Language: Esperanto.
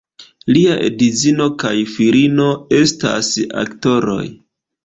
Lia edzino kaj filino estas aktoroj.